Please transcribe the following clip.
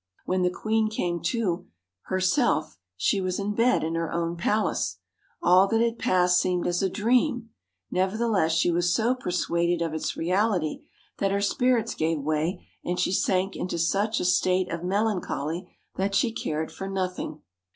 When the queen came to her self she was in bed in her own palace. All that had passed seemed as a dream ; nevertheless she was so persuaded of its reality, that her spirits gave way, and she sank into such a state of melancholy that she cared for nothing.